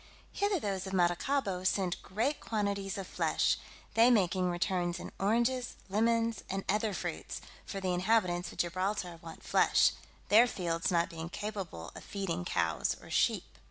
Hither those of Maracaibo send great quantities of flesh, they making returns in oranges, lemons, and other fruits; for the inhabitants of Gibraltar want flesh, their fields not being capable of feeding cows or sheep.